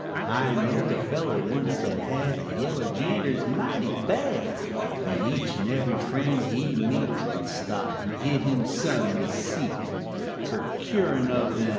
I knowed a feller onc't that had The yeller janders mighty bad, And each and ev'ry friend he'd meet Would stop and give him some receet Fer cuorin' of 'em.